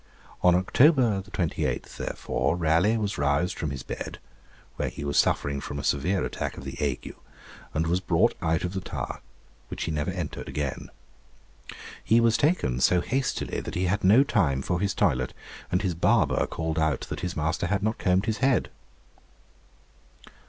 On October 28, therefore, Raleigh was roused from his bed, where he was suffering from a severe attack of the ague, and was brought out of the Tower, which he never entered again. He was taken so hastily that he had no time for his toilet, and his barber called out that his master had not combed his head.